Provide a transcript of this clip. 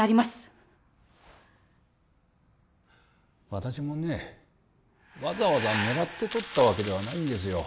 私もねわざわざ狙って撮ったわけではないんですよ